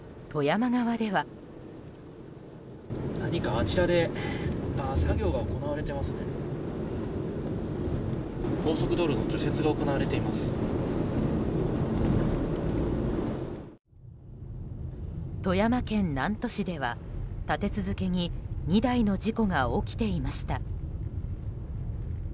富山県南砺市では、立て続けに２台の事故が起きていました。